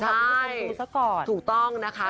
ใช่ถูกต้องนะคะ